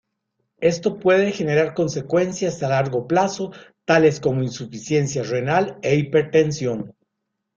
Esto puede generar consecuencias a largo plazo tales como insuficiencia renal e hipertensión.